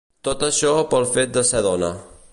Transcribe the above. Tot això pel fet de ser dona.